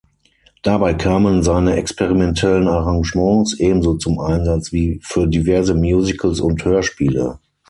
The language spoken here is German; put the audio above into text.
Dabei kamen seine experimentellen Arrangements ebenso zum Einsatz wie für diverse Musicals und Hörspiele.